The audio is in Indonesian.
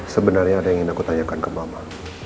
sebenarnya ada yang ingin aku tanyakan ke mama